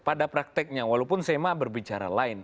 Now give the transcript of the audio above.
pada prakteknya walaupun sema berbicara lain